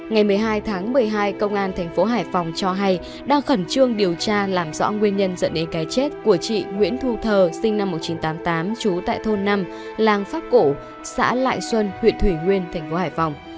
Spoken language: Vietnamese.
ngày một mươi hai tháng một mươi hai công an thành phố hải phòng cho hay đang khẩn trương điều tra làm rõ nguyên nhân dẫn đến cái chết của chị nguyễn thu thờ sinh năm một nghìn chín trăm tám mươi tám trú tại thôn năm làng pháp cổ xã lại xuân huyện thủy nguyên thành phố hải phòng